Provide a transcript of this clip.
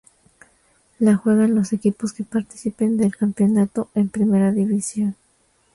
La juegan los equipos que participen del campeonato de Primera División.